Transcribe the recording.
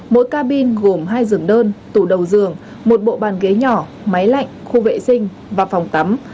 mỗi ca bin gồm hai giường đơn tủ đầu giường một bộ bàn ghế nhỏ máy lạnh khu vệ sinh và phòng tắm